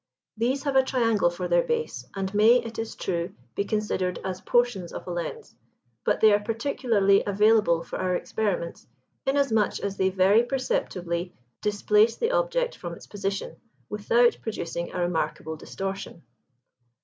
These have a triangle for their base, and may, it is true, be considered as portions of a lens, but they are particularly available for our experiments, inasmuch as they very perceptibly displace the object from its position, without producing a remarkable distortion.